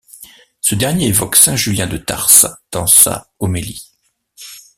Ce dernier évoque saint Julien de Tarse dans sa homélie.